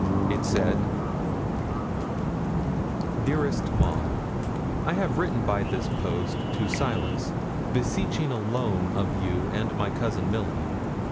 It said 'DEAREST MAUD, I have written by this post to Silas, beseeching a loan of you and my Cousin Milly.